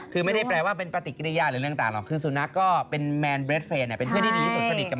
เขาไม่ได้บอกว่าขึ้นมาผิดนะคะ